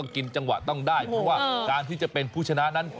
กินจังหวะต้องได้เพราะว่าการที่จะเป็นผู้ชนะนั้น